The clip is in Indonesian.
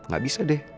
gak bisa deh